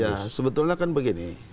ya sebetulnya kan begini